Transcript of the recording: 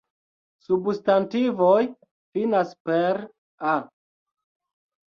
Substantivoj finas per -a.